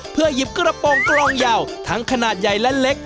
เพื่อหยิบกระโปรงกลองยาวทั้งขนาดใหญ่และเล็ก